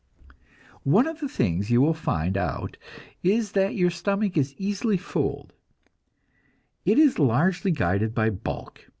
One of the things you will find out is that your stomach is easily fooled; it is largely guided by bulk.